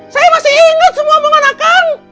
saya masih inget semua omongan akang